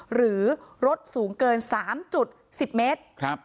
หรือรถสูงเกิน๓๑๐เมตร